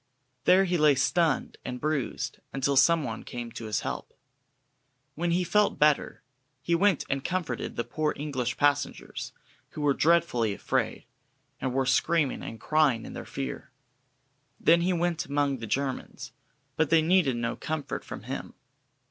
There he lay stunned and bruised, until some one came to his help. When he felt better, he went and comforted the poor English passengers, who were dreadfully afraid, and were screaming and crying in their fear. Then he went among the Germans, but they needed no comfort from him.